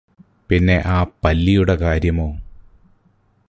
പിന്നെ ആ പല്ലിയുടെ കാര്യമോ